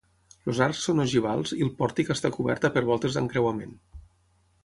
Els arcs són ogivals i el pòrtic està coberta per voltes d'encreuament.